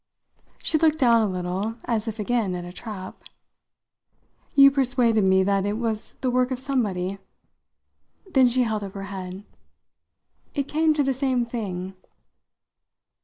She looked down a little, as if again at a trap. "You persuaded me that it was the work of somebody." Then she held up her head. "It came to the same thing."